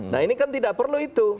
nah ini kan tidak perlu itu